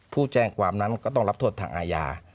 ผู้แจ้งความนั้นก็ต้องรับโทษทางอาญา